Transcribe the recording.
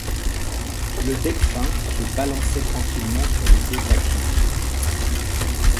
Le Delphin se balançait tranquillement sur les eaux de la Clyde.